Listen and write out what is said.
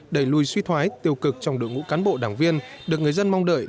đẩy lùi suy thoái tiêu cực trong đội ngũ cán bộ đảng viên được người dân mong đợi